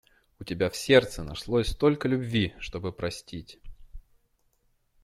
У тебя в сердце нашлось столько любви, чтобы простить...